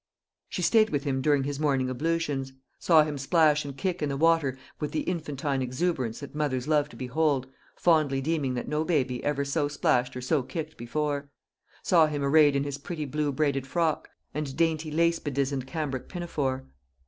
She stayed with him during his morning ablutions; saw him splash and kick in the water with the infantine exuberance that mothers love to behold, fondly deeming that no baby ever so splashed or so kicked before; saw him arrayed in his pretty blue braided frock, and dainty lace bedizened cambric pinafore.